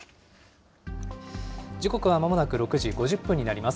時刻はまもなく６時５０分になります。